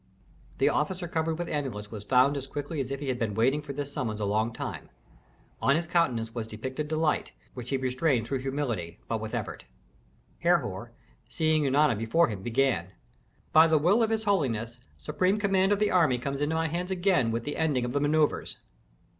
The officer covered with amulets was found as quickly as if he had been waiting for this summons a long time. On his countenance was depicted delight, which he restrained through humility, but with effort. Herhor, seeing Eunana before him, began, "By the will of his holiness, supreme command of the army comes into my hands again with the ending of the manœuvres."